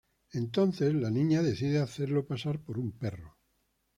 Entonces la niña decide hacerlo pasar por un perro.